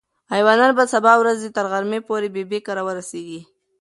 ایوانان به د سبا ورځې تر غرمې پورې ببۍ کره ورسېږي.